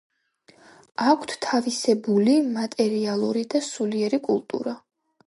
აქვთ თავისებული მატერიალური და სულიერი კულტურა.